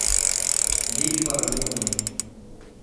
Ligue para minha mãe.